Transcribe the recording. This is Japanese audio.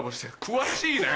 「詳しいね」！